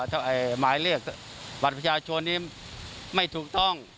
ถ้าหมายเรียกบัตรประชาชนนี้ไม่ถูกต้อง